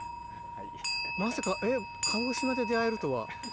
まさか、鹿児島で出会えるとは。